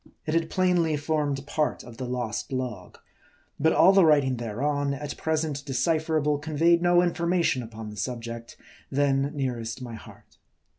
It had plainly formed part of the lost log ; but all the writing thereon, at present decipherable, conveyed no information upon the subject then nearest my heart.